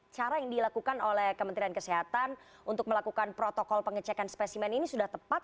cara yang dilakukan oleh kementerian kesehatan untuk melakukan protokol pengecekan spesimen ini sudah tepat